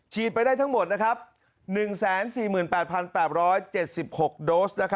เฉียดไปได้ทั้งหมด๑๔๐๘๘๗๖โดส